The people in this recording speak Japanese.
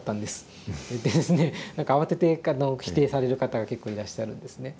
って何か慌てて否定される方が結構いらっしゃるんですね。